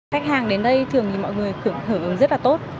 khách hàng đến đây thường mọi người khưởng thưởng rất là tốt